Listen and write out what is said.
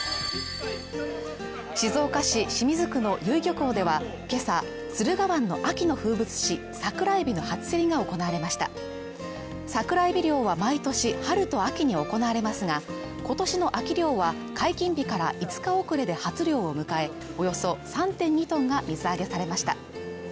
静岡市清水区の由比漁港では今朝駿河湾の秋の風物詩サクラエビの初競りが行われましたサクラエビ漁は毎年春と秋に行われますが今年の秋漁は解禁日から５日遅れで初漁を迎えおよそ３．２トンが水揚げされました